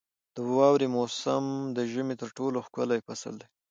• د واورې موسم د ژمي تر ټولو ښکلی فصل دی.